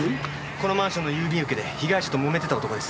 このマンションの郵便受けで被害者ともめてた男です。